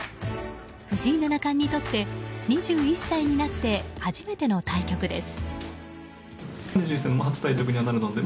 藤井七冠にとって２１歳になって初めての対局です。